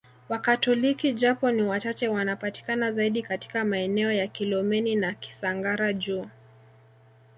Wakatoliki japo ni wachache wanapatikana zaidi katika maeneo ya Kilomeni na Kisangara Juu